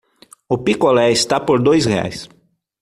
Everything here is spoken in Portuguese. O picolé está por dois reais.